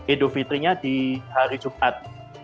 idul fitrinya di hari jumat